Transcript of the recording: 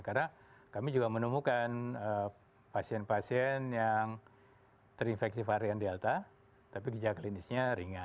karena kami juga menemukan pasien pasien yang terinfeksi varian delta tapi gejala klinisnya ringan